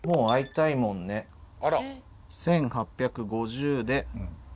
１８５０で。